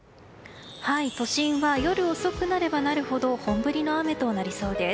都心は夜遅くなればなるほど本降りの雨となりそうです。